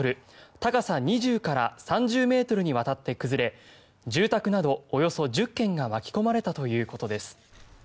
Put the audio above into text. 高さ２０から３０ｍにわたって崩れ住宅などおよそ１０軒が巻き込まれたということです。